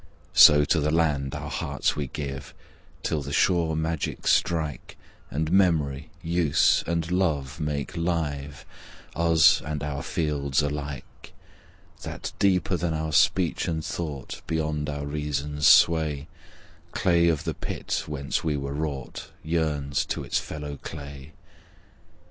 So to the land our hearts we give Til the sure magic strike, And Memory, Use, and Love make live Us and our fields alike That deeper than our speech and thought, Beyond our reason's sway, Clay of the pit whence we were wrought Yearns to its fellow clay.